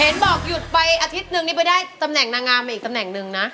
เห็นบอกหยุดไปอาทิตย์นึงนี่ไปได้ตำแหน่งนางงามมาอีกตำแหน่งหนึ่งนะ